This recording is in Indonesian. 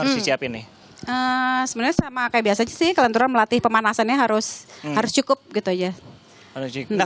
harus dicapain nih sebenarnya sama kayak biasa sih kalian melatih pemanasannya harus cukup gitu aja